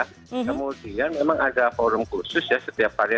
kemudian memang ada forum khusus ya setiap hari